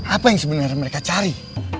apa yang sebenarnya mereka cari